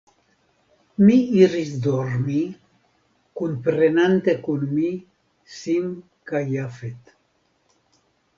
Mi iris dormi, kunprenante kun mi Sim kaj Jafet.